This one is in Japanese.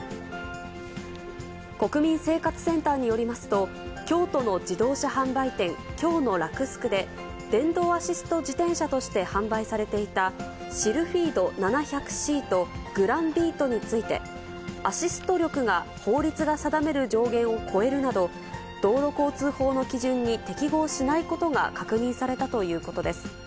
国民生活センターによりますと、京都の自動車販売店、京の洛スクで、電動アシスト自転車として販売されていたシルフィード７００Ｃとグランビートについて、アシスト力が法律が定める上限を超えるなど、道路交通法の基準に適合しないことが確認されたということです。